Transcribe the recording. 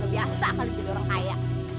lebih biasa kalau jadi orang kaya